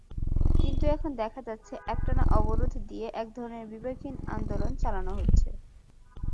কিন্তু এখন দেখা যাচ্ছে, একটানা অবরোধ দিয়ে একধরনের বিবেকহীন আন্দোলন চালানো হচ্ছে।